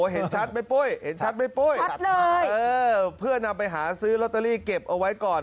เห็นชัดไหมป๊วยเพื่อนไปหาซื้อโลตเตอารี่เก็บอ่ะไว้ก่อน